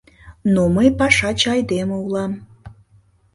Но мый пашаче айдеме улам.